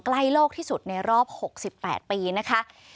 ใกล้โลกที่สุดในรอบ๖๘ปีนะคะ